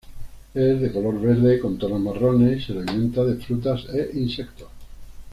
Es de color verde con tonos marrones y se alimenta de frutas e insectos.